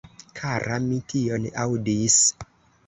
Kara, mi tion aŭdis.